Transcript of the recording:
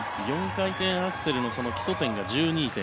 ４回転アクセルの基礎点が１２．５０。